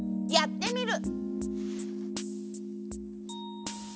やってみる！